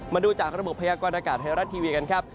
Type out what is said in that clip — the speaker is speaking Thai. มาดูจากระบบพยากาลอากาศไทยรัสทีวีดีโน้นครับ